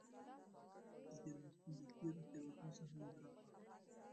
د تېرو تېروتنو څخه عبرت واخلئ.